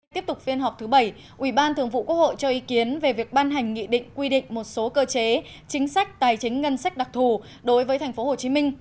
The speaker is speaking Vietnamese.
tiếp tục phiên họp thứ bảy ủy ban thường vụ quốc hội cho ý kiến về việc ban hành nghị định quy định một số cơ chế chính sách tài chính ngân sách đặc thù đối với tp hcm